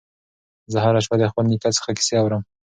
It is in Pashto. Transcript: زه هره شپه د خپل نیکه څخه کیسې اورم.